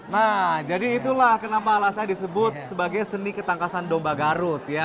nah jadi itulah kenapa alasannya disebut sebagai seni ketangkasan domba garut ya